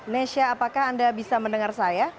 nesha apakah anda bisa mendengar saya